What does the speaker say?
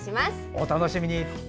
お楽しみに。